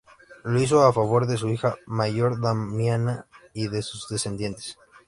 Lo hizo a favor de su hija mayor Damiana y de sus descendientes.